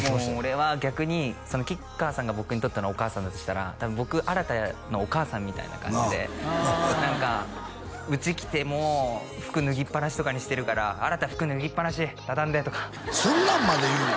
俺は逆に吉川さんが僕にとってのお母さんだとしたら多分僕新太のお母さんみたいな感じで何か家来ても服脱ぎっぱなしとかにしてるから「新太服脱ぎっぱなし畳んで」とかそんなんまで言うの？